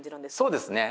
そうですね。